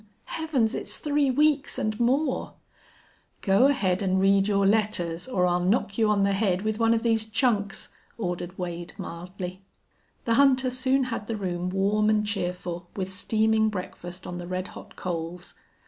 Heavens! it's three weeks and more." "Go ahead an' read your letters or I'll knock you on the head with one of these chunks," ordered Wade, mildly. The hunter soon had the room warm and cheerful, with steaming breakfast on the red hot coals.